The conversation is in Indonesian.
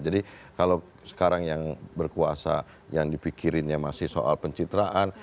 jadi kalau sekarang yang berkuasa yang dipikirinnya masih soal pencitraan